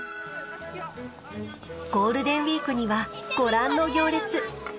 ゴールデンウィークにはご覧の行列。